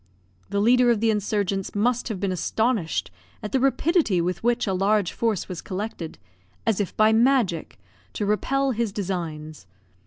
The leader of the insurgents must have been astonished at the rapidity with which a large force was collected, as if by magic, to repel his designs.